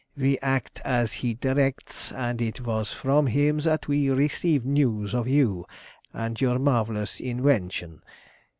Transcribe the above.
We act as he directs, and it was from him that we received news of you and your marvellous invention.